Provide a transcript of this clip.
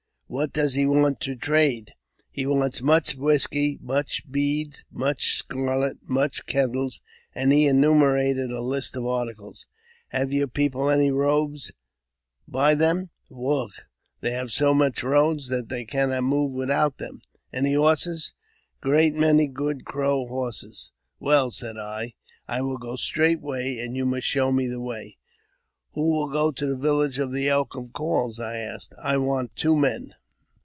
" What does he want to trade ?"" He wants much whisky, much beads, much scarlet, much kettles," and he enumerated a list of articles. " Have your people any rpbes by them ?" AUTOBIOGRAPHY OF JAMES P. BECKWOUBTH. 363 Wugh! they have so much robes that they cannot move with them." "Any horses?" " Great many — good Crow horses." " Well," said I, " I will go straightway, and you must show me the way." '' Who will go to the village of the Elk that Calls ?" I asked; " I want two men."